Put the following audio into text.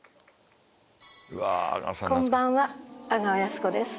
こんばんは阿川泰子です。